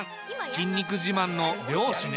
筋肉自慢の漁師ね。